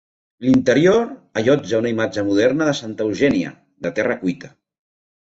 L'interior allotja una imatge moderna de Santa Eugènia, de terra cuita.